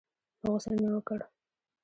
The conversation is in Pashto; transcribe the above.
غسل مې وکړ.